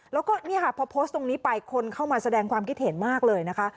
แล้วก็เนี่ยค่ะพอโพสต์ตรงนี้ไปคนเข้ามาแสดงความคิดเห็นมากเลยนะคะ